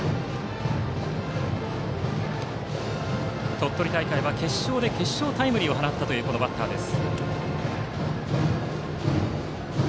鳥取大会は決勝で決勝タイムリーを放ったというバッターです。